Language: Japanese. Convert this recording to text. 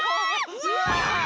うわ！